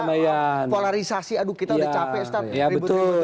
supaya polarisasi aduh kita udah capek ustaz ribut ribut